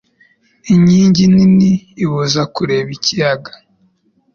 Inkingi nini ibuza kureba ikiyaga.